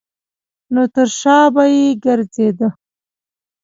نو تر شا به یې ګرځېده.